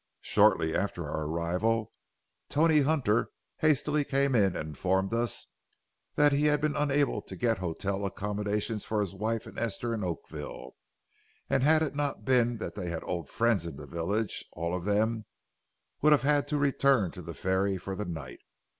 Shortly after our arrival, Tony Hunter hastily came in and informed us that he had been unable to get hotel accommodations for his wife and Esther in Oakville, and had it not been that they had old friends in the village, all of them would have had to return to the ferry for the night.